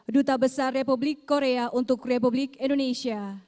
duta besar republik korea untuk republik indonesia